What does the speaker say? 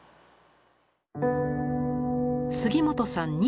杉本さん